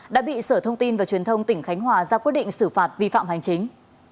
đã bị sở thông tin và truyền thông tỉnh khánh hòa ra quyết định xử phạt vi phạm hành chính